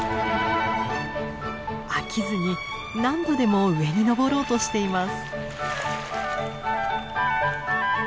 飽きずに何度でも上に登ろうとしています。